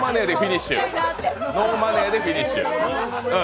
ノーマネーでフィニッシュ。